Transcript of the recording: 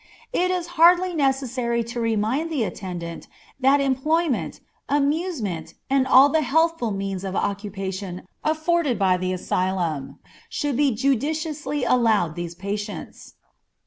It is hardly necessary to remind the attendant that employment, amusement, and all the healthful means of occupation afforded by the asylum, should be judiciously allowed these patients.